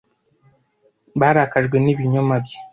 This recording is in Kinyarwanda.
Barakajwe n'ibinyoma bye.